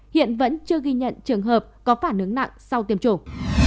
hiện vẫn chưa ghi nhận trường hợp có phản ứng nặng sau tiêm chủng